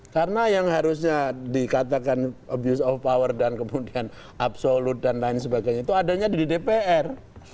karena yang harusnya dikatakan abuse of power dan kemudian absolute dan lain sebagainya itu adanya di dpr